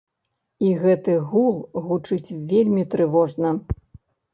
І гэты гул гучыць вельмі трывожна.